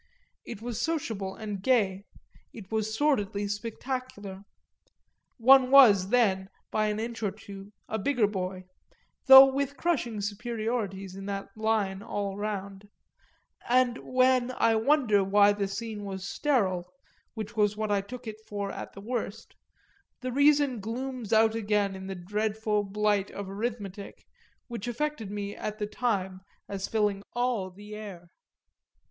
It was sociable and gay, it was sordidly spectacular, one was then, by an inch or two, a bigger boy though with crushing superiorities in that line all round; and when I wonder why the scene was sterile (which was what I took it for at the worst) the reason glooms out again in the dreadful blight of arithmetic, which affected me at the time as filling all the air.